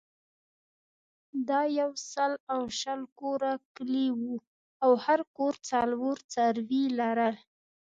دا یو سل او شل کوره کلی وو او هر کور څلور څاروي لرل.